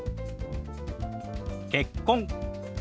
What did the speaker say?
「結婚」。